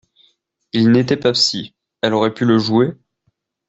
Il n’était pas psy, elle aurait pu le jouer?